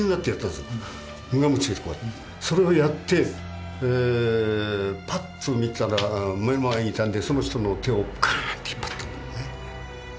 無我夢中でそれをやってパッと見たら目の前にいたんでその人の手をガッと引っ張ったんだね。